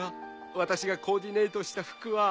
私がコーディネートした服は。